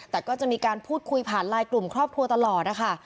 แต่ก็จะมีการพูดคุยผ่านไลน์กลุ่มครอบครัวตลอดนะคะ